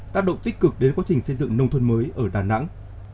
tác động tích cực đến quá trình xây dựng nông thôn mới ở đà nẵng